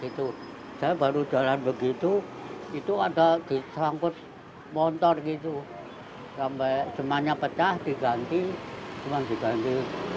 itu saya baru jalan begitu itu ada disangkut motor gitu sampai temannya pecah diganti cuma diganti